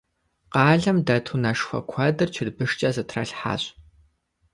Къалэм дэт унэшхуэ куэдыр чырбышкӏэ зэтралъхьащ.